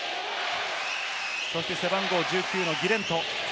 そして背番号１９のギレント。